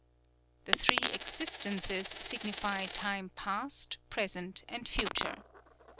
_" The Three Existences signify time past, present, and future.